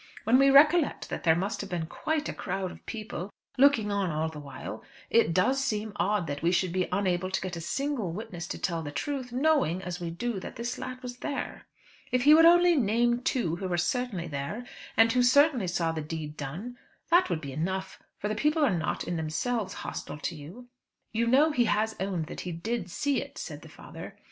When we recollect that there must have been quite a crowd of people looking on all the while, it does seem odd that we should be unable to get a single witness to tell the truth, knowing, as we do, that this lad was there. If he would only name two who were certainly there, and who certainly saw the deed done, that would be enough; for the people are not, in themselves, hostile to you." "You know he has owned that he did see it," said the father.